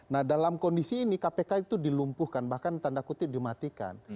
nah dalam kondisi ini kpk itu dilumpuhkan bahkan tanda kutip dimatikan